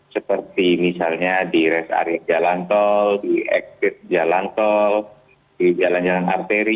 seperti misalnya di rest area jalan tol di exit jalan tol di jalan jalan arteri